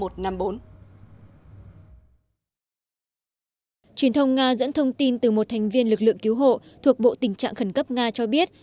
truyền thông nga dẫn thông tin từ một thành viên lực lượng cứu hộ thuộc bộ tình trạng khẩn cấp nga cho biết